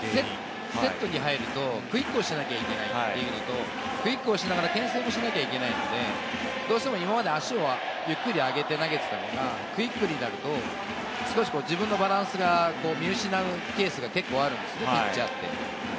セットに入るとクイックをしなきゃいけないというのと、クイックをしながら、けん制もしなきゃいけないので、どうしても今まで足をゆっくり上げて投げていたのがクイックになると少し自分のバランスが見失うケースが結構あるんですね、ピッチャーって。